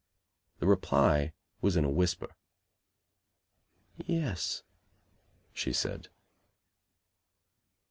The reply was in a whisper. "Yes," she said.